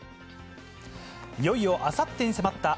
いよいよ、あさってに迫ったＦＩＦＡ